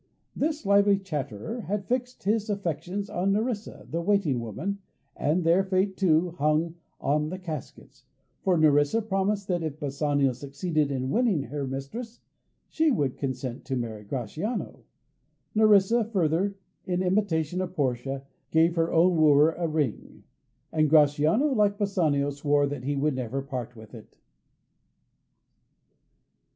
This lively chatterer had fixed his affections on Nerissa, the waiting woman, and their fate, too, hung on the caskets, for Nerissa promised that if Bassanio succeeded in winning her mistress, she would consent to marry Gratiano. Nerissa, further, in imitation of Portia, gave her own wooer a ring; and Gratiano, like Bassanio, swore that he would never part with it.